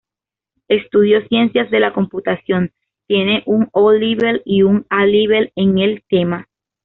Estudió Ciencias de la Computación tiene un O-Level y un A-Level en el tema.